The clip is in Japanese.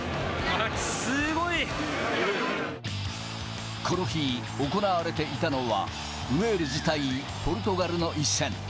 すごい。この日行われていたのは、ウェールズ対ポルトガルの一戦。